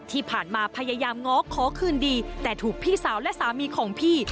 ที่ผ่านมาพยายามง้อขอคืนดีแต่ถูกพี่สาวและสามีของพี่